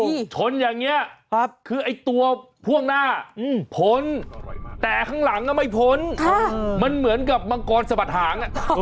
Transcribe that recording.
ชนอย่างนี้คือไอ้ตัวพ่วงหน้าพ้นแต่ข้างหลังก็ไม่พ้นมันเหมือนกับมังกรสะบัดหาง